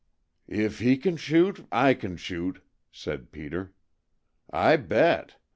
"If he can shoot, I can shoot," said Peter. "I bet!